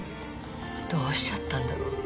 どうしちゃったんだろう